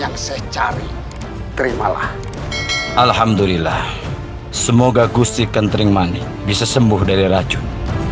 yang saya cari terimalah alhamdulillah semoga gusti kentering money bisa sembuh dari racun